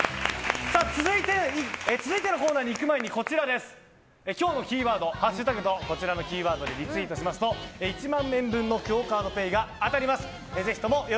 続いてのコーナーに行く前に今日のキーワードハッシュタグとこちらのキーワードでリツイートしますと１万円分のＱＵＯカードＰａｙが当たります。